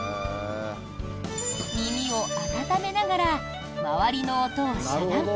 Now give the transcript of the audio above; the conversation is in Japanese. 耳を温めながら周りの音を遮断。